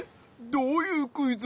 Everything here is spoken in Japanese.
どういうクイズ？